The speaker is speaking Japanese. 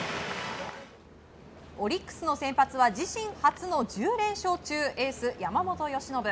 オリックスの先発は自身初の１０連勝中エース、山本由伸。